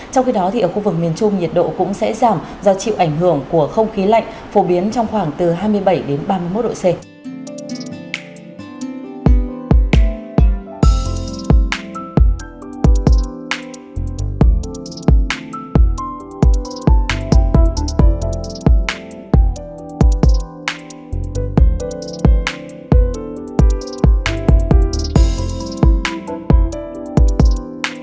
trong khi đó thì ở khu vực miền trung nhiệt độ cũng sẽ giảm do chịu ảnh hưởng của không khí lạnh phổ biến trong khoảng từ hai mươi bảy đến ba mươi một độ c